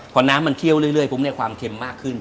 พอน้ำมันเคี่ยวเรื่อยปุ๊บเนี่ยความเค็มมากขึ้น